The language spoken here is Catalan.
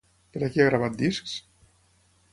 Per a qui ha gravat discs?